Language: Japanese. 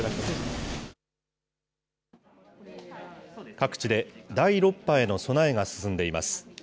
各地で第６波への備えが進んでいます。